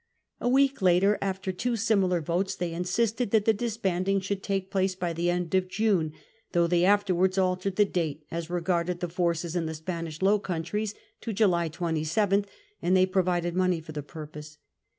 A week later, after two similar votes, they insisted that the disbanding should take place by the end of June ; though they after wards altered the date, as regarded the forces in the Spanish Low Countries, to July 27, and they provided money for the purpose.